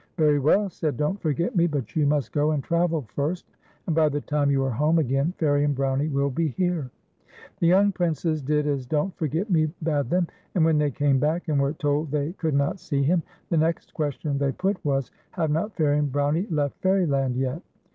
"Very well," said Don't Forget Me ; "but you must go and travel first, and by the time you are home again, Fairie and Brownie will be here." The young Princes did as Don't Forget ]\Ie bade them, and when the}' came back, and were told they could not see him, the next question they put was: " Have not Fairie and Brownie left Fairyland yet